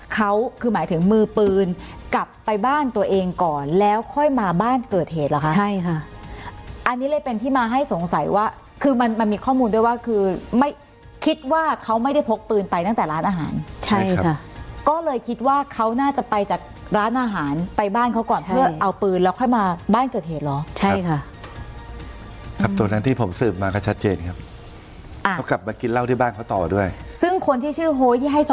ใช่ค่ะอันนี้เลยเป็นที่มาให้สงสัยว่าคือมันมันมีข้อมูลด้วยว่าคือไม่คิดว่าเขาไม่ได้พกปืนไปตั้งแต่ร้านอาหารใช่ค่ะก็เลยคิดว่าเขาน่าจะไปจากร้านอาหารไปบ้านเขาก่อนเพื่อเอาปืนแล้วค่อยมาบ้านเกิดเหตุหรอใช่ค่ะครับตัวนั้นที่ผมสืบมาก็ชัดเจนครับอ่าเขากลับมากินเหล้าที่บ้านเขาต่อด้วยซึ่งคนที่ชื่อโ